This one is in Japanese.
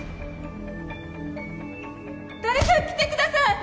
誰か来てください。